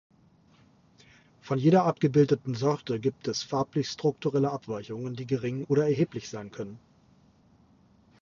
Von jeder abgebildeten Sorte gibt es farblich-strukturelle Abweichungen, die gering oder erheblich sein können.